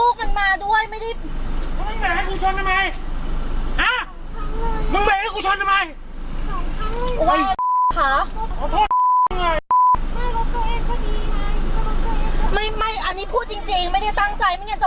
ครูไม่ได้ตั้งใจไม่อยากจะไหว้หรอกคะ